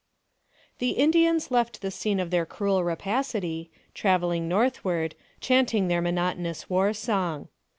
THE Indians left the scene of their cruel rapacity, traveling northward, chanting their monotonous war song.